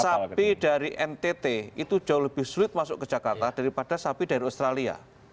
sapi dari ntt itu jauh lebih sulit masuk ke jakarta daripada sapi dari australia